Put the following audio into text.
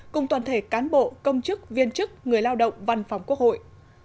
cùng toàn thể cán bộ công chức viên chức người lao động văn phòng quốc hội